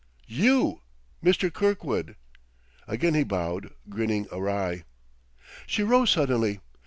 "You, Mr. Kirkwood!" Again he bowed, grinning awry. She rose suddenly.